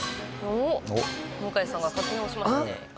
向井さんが確認をしましたね。